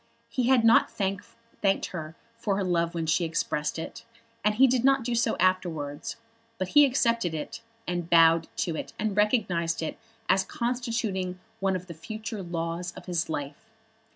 He had not thanked her for her love when she expressed it, and he did not do so afterwards. But he accepted it, and bowed to it, and recognised it as constituting one of the future laws of his life.